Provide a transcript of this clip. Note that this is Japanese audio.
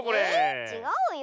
えちがうよ。